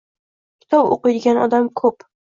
Kitob o‘qiydigan odam ko’p.